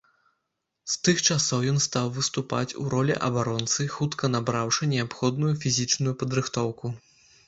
З тых часоў ён стаў выступаць у ролі абаронцы, хутка набраўшы неабходную фізічную падрыхтоўку.